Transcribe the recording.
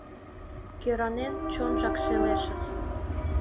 Кӧранен, чонжак шелешыс!